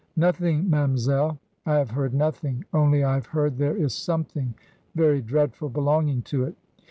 ' Nothing, ma'amselle; I have heard nothing; only I have heard there is something very dreadful belonging to it.'